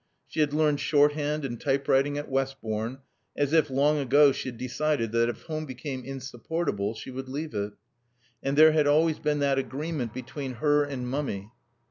She had learned shorthand and typewriting at Westbourne, as if, long ago, she had decided that, if home became insupportable, she would leave it. And there had always been that agreement between her and Mummy.